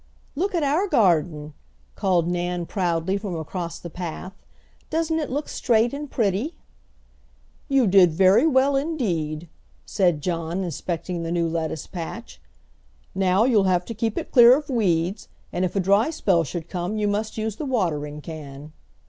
"Look at our garden!" called Nan proudly, from across the path. "Doesn't it look straight and pretty?" "You did very well indeed," said John, inspecting the new lettuce patch. "Now, you'll have to keep it clear of weeds, and if a dry spell should come you must use the watering can."